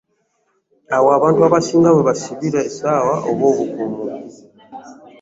Awo abantu abasinga we basibira essaawa, oba obukomo.